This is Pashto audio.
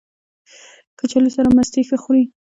کچالو سره مستې ښه خوري